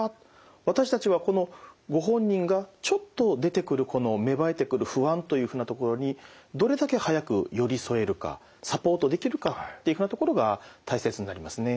私たちはこのご本人がちょっと出てくるこの芽生えてくる不安というふうなところにどれだけ早く寄り添えるかサポートできるかっていうふうなところが大切になりますね。